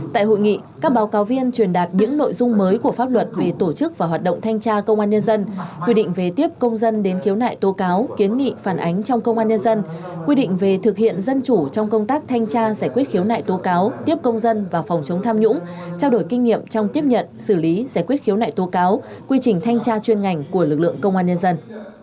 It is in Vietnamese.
tại hội nghị các báo cáo viên truyền đạt những nội dung mới của pháp luật về tổ chức và hoạt động thanh tra công an nhân dân quy định về tiếp công dân đến khiếu nại tố cáo kiến nghị phản ánh trong công an nhân dân quy định về thực hiện dân chủ trong công tác thanh tra giải quyết khiếu nại tố cáo tiếp công dân vào phòng chống tham nhũng trao đổi kinh nghiệm trong tiếp nhận xử lý giải quyết khiếu nại tố cáo quy trình thanh tra chuyên ngành của lực lượng công an nhân dân